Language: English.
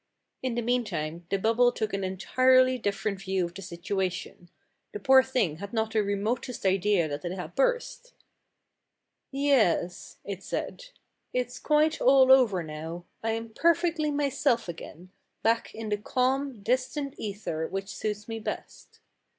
In the meantime the bubble took an entirely differ ent view of the situation. The poor thing had not the remotest idea that it had burst. THE LIFE OF A BUBBLE 289 "Yes," it said, "it's quite all over now. I am per fectly myself again, back in the calm, distant ether which suits me best.